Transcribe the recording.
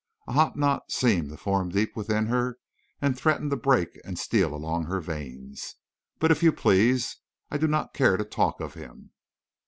A hot knot seemed to form deep within her and threatened to break and steal along her veins. "But if you please—I do not care to talk of him."